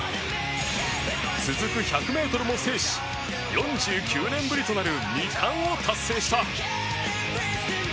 続く１００メートルも制し４９年ぶりとなる２冠を達成した